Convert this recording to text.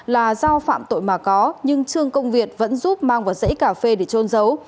là do phạm tội mà có nhưng trương công việt vẫn giúp mang vào dãy cà phê để trôn giấu